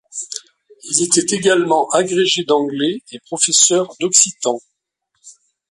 Il était également agrégé d'anglais et professeur d'occitan.